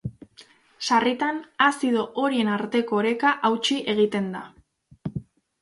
Sarritan, azido horien arteko oreka hautsi egiten da.